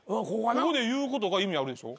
ここで言うことが意味あるでしょ。